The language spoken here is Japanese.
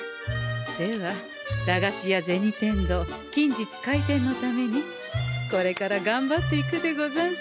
では駄菓子屋銭天堂近日開店のためにこれからがんばっていくでござんすよ。